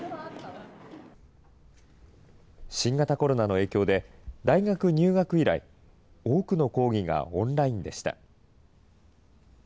新型コロナの影響で、大学入学以来、多くの講義がオンラインでした。